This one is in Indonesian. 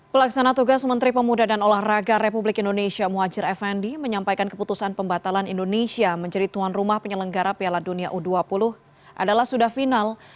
pelaksana tugas menteri pemuda dan olahraga republik indonesia muhajir effendi menyampaikan keputusan pembatalan indonesia menjadi tuan rumah penyelenggara piala dunia u dua puluh adalah sudah final